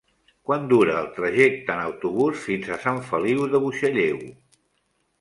Quant dura el trajecte en autobús fins a Sant Feliu de Buixalleu?